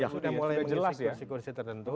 sudah mulai mengelak kursi kursi tertentu